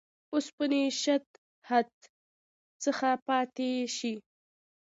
اوسني شدت حدت څخه پاتې شي.